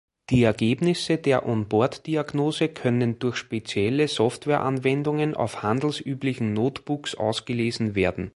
Die Ergebnisse der On-Board-Diagnose können auch durch spezielle Softwareanwendungen auf handelsüblichen Notebooks ausgelesen werden.